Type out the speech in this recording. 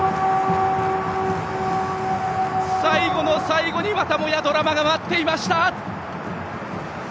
最後の最後にまたもやドラマが待っていました！